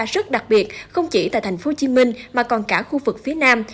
rất đặc biệt không chỉ tại tp hcm mà còn cả khu vực phía nam